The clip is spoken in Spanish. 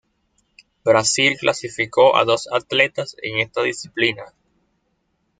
Brazil clasificó a dos atletas en esta disciplina.